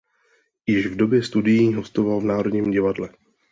Již v době studií hostoval v Národním divadle.